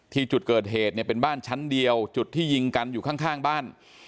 ที่จุดเกิดเหตุเนี่ยเป็นบ้านชั้นเดียวจุดที่ยิงกันอยู่ข้างบ้าน